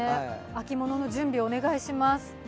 秋ものの準備、お願いします。